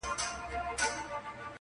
بیا حملې سوې د بازانو شاهینانو،